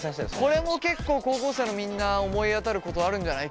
これも結構高校生のみんな思い当たることあるんじゃない。